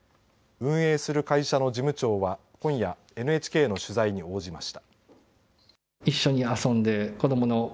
運営する会社の事務長は今夜、ＮＨＫの取材に応じました。